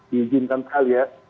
diizinkan sekali ya